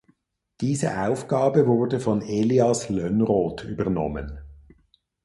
Diese Aufgabe wurde von Elias Lönnrot übernommen.